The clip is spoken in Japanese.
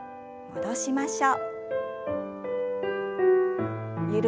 戻しましょう。